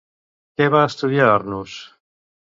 Què va estudiar Arnús?